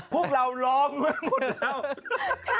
พวกเราล้อมไว้หมดแล้ว